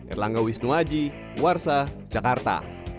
erlangga wisnuaji warsa jakarta